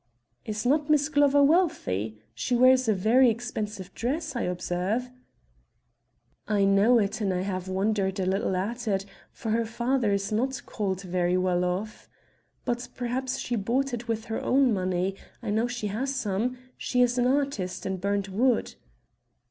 "Is not Miss Glover wealthy? She wears a very expensive dress, I observe." "I know it and I have wondered a little at it, for her father is not called very well off. But perhaps she bought it with her own money; I know she has some; she is an artist in burnt wood."